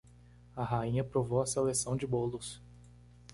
A rainha provou a seleção de bolos.